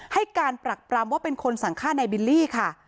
ให้การปรักปรำว่าเป็นคนสั่งฆ่านายบิลลี่ค่ะ